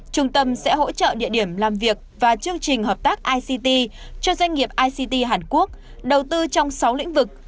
trung tâm sẽ hỗ trợ địa điểm làm việc và chương trình hợp tác ict cho doanh nghiệp ict hàn quốc đầu tư trong sáu lĩnh vực